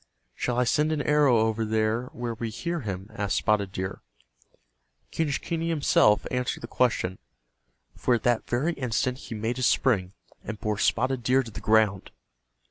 "Shall I send an arrow over there where we hear him?" asked Spotted Deer. Quenischquney himself answered the question, for at that very instant he made his spring, and bore Spotted Deer to the ground.